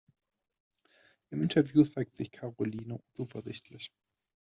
Im Interview zeigt sich Karoline zuversichtlich.